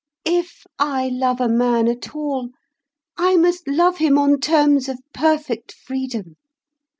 If I love a man at all, I must love him on terms of perfect freedom.